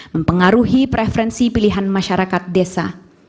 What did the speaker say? mempengaruhi preferensi pilihan masyarakat desa